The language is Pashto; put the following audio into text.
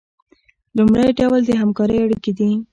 لومړی ډول د همکارۍ اړیکې دي.